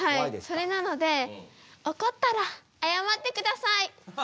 それなので怒ったらあやまって下さい。